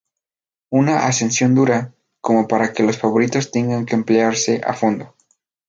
Una ascensión dura, como para que los favoritos tengan que emplearse a fondo.